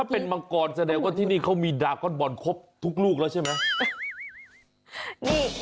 เป็นมังกรแสดงว่าที่นี่เขามีดากอนบอลครบทุกลูกแล้วใช่ไหม